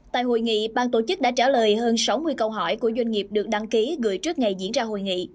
tại hội nghị bang tổ chức đã trả lời hơn sáu mươi câu hỏi của doanh nghiệp được đăng ký gửi trước ngày diễn ra hội nghị